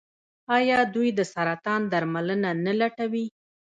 آیا دوی د سرطان درملنه نه لټوي؟